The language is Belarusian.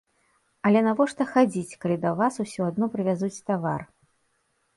Але навошта хадзіць, калі да вас усё адно прывязуць тавар?